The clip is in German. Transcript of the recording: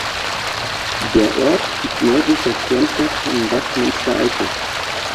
Der Ort liegt nördlich der Kernstadt von Bad Münstereifel.